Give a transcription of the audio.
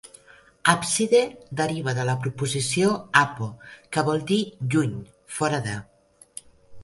"Àpside" deriva de la preposició "apo", que vol dir "lluny, fora de".